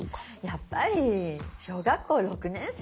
やっぱり小学校６年生で。